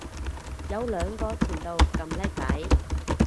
有兩個前度咁叻仔